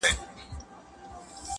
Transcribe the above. له ازل څخه یې لار نه وه میندلې!